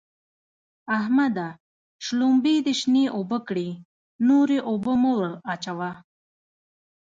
احمده! شلومبې دې شنې اوبه کړې؛ نورې اوبه مه ور اچوه.